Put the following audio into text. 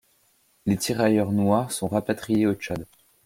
Les tirailleurs noirs sont rapatriés au Tchad.